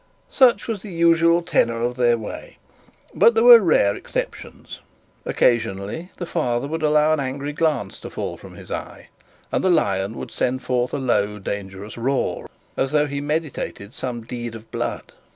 Such was the usual tenor of their way; but there were rare exceptions. Occasionally the father would allow an angry glance to fall from his eye, and the lion would send forth a low dangerous roar as though he meditated some deed of blood.